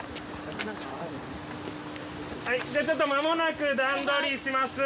はいじゃあちょっと間もなく段取りします